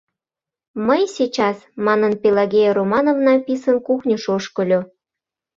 — Мый сейчас, — манын, Пелагея Романовна писын кухньыш ошкыльо.